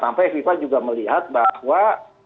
sampai fifa juga melihat bahwa